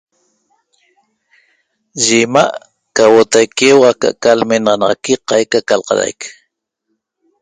Ye ima' ca huotaique huo'o aca'aca lmenaxanaxaqui qaica ca lqalaic